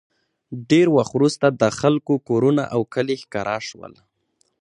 ډېر وخت وروسته د خلکو کورونه او کلي ښکاره شول